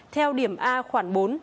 theo điểm a khoảng bốn